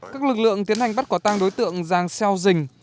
các lực lượng tiến hành bắt quả tang đối tượng giang seo dinh